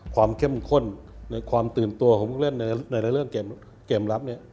ความเข้มข้นความตื่นตัวของพวกเล่นในเรื่องเกมรับ